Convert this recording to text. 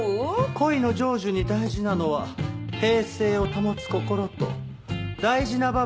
恋の成就に大事なのは平静を保つ心と大事な場面でジャンプをする勇気。